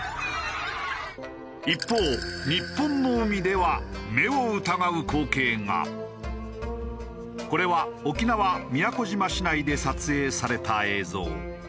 一方日本の海ではこれは沖縄宮古島市内で撮影された映像。